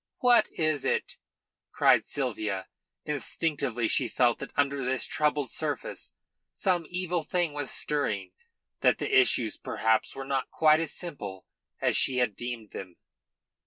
"What is it?" cried Sylvia. Instinctively she felt that under this troubled surface some evil thing was stirring, that the issues perhaps were not quite as simple as she had deemed them.